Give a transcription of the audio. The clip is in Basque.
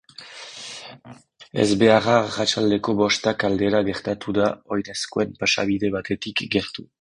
Ezbeharra arratsaldeko bostak aldera gertatu da oinezkoen pasabide batetik gertu.